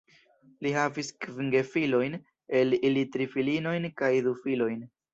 Li havis kvin gefilojn, el ili tri filinojn kaj du filojn.